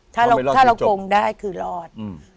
ถ้าเราโกงได้คือรอด